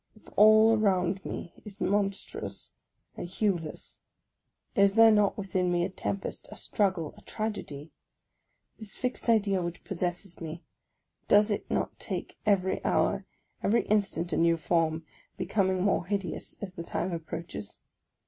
If all around me is monotonous and hueless, is there not within me a tempest, a struggle, a tragedy? This fixed idea which possesses me, does it not take every hour, every instant a new form, becoming more hideous as the time approaches?